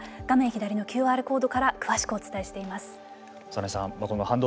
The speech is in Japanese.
左のＱＲコードから詳しくお伝えしています。